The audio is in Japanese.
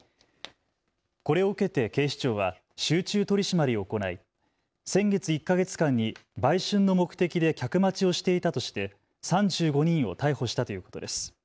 これを受けて警視庁は集中取締りを行い先月１か月間に売春の目的で客待ちをしていたとして３５人を逮捕したということです。